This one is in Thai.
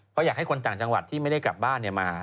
เพราะอยากให้คนต่างจังหวัดที่ไม่ได้กลับบ้านมา